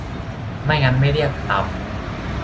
ไม่งั้นไม่เรียก 'ตำ'